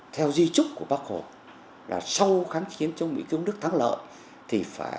theo di trúc của bác hồ là sau kháng khiến cho mỹ kiếm nước thắng lợi